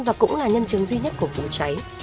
và cũng là nhân chứng duy nhất của vụ cháy